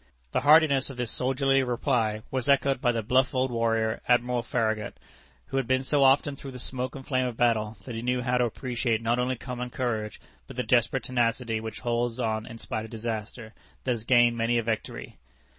The heartiness of this soldierly reply was echoed by the bluff old warrior, Admiral Farragut, who had been so often through the smoke and flame of battle, that he knew how to appreciate not only common courage, but the desperate tenacity which holds on in spite of disaster, that has gained many a victory.